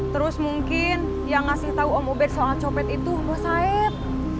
terus mungkin yang ngasih tau om ubed soal copet itu bos saeb